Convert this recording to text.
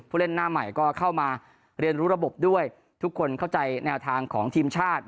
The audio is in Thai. เล่นหน้าใหม่ก็เข้ามาเรียนรู้ระบบด้วยทุกคนเข้าใจแนวทางของทีมชาติ